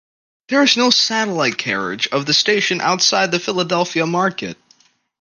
There is no satellite carriage of the station outside of the Philadelphia market.